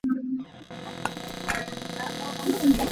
Na hngal set maw?